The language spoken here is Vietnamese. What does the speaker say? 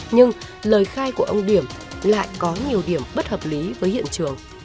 nhưng lời khai của ông điểm lại có nhiều điểm bất hợp lý với hiện trường